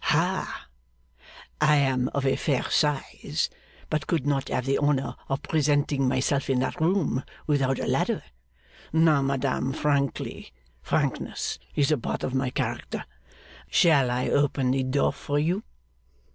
'Hah! I am of a fair size, but could not have the honour of presenting myself in that room without a ladder. Now, madam, frankly frankness is a part of my character shall I open the door for you?